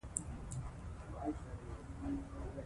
کرنه او مالداري د عصري میتودونو له مخې کیږي.